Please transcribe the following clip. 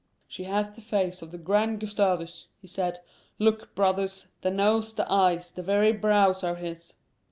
"She hath the face of the Grand Gustavus," he said. "Look, brothers, the nose, the eyes, the very brows are his."